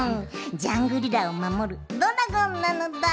ジャングリラをまもるドラゴンなのだ！